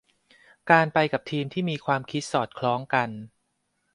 การไปกับทีมที่มีความคิดสอดคล้องกัน